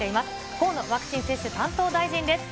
河野ワクチン接種担当大臣です。